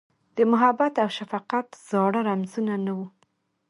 د محبت اوشفقت زاړه رمزونه، نه وه